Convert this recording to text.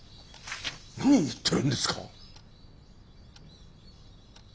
何言ってるんですか。